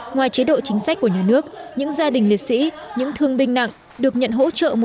ngoài chế độ chính sách của nhà nước những gia đình liệt sĩ những thương binh nặng được nhận hỗ trợ